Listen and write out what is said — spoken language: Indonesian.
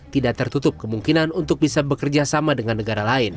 tidak tertutup kemungkinan untuk bisa bekerjasama dengan negara lain